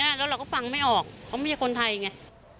แล้วเราก็ฟังไม่ออกเขาไม่ใช่คนไทยไง